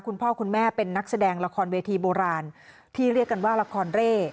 คุณพ่อคุณแม่เป็นนักแสดงละครเวทีโบราณที่เรียกกันว่าละครเร่